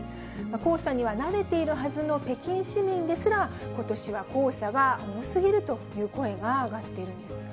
黄砂には慣れているはずの北京市民ですら、ことしは黄砂が多すぎるという声が上がっているんですね。